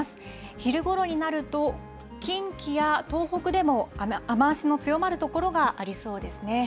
昼ごろになると、近畿や東北でも雨足の強まる所がありそうですね。